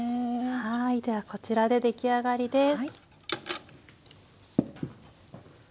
はいではこちらで出来上がりです！